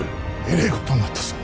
えれえことになったぞ。